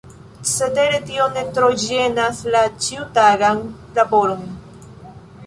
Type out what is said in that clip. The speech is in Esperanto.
Cetere tio ne tro ĝenas la ĉiutagan laboron.